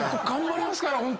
頑張りますから！